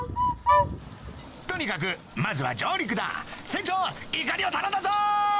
とにかくまずは上陸だ船長いかりを頼んだぞ！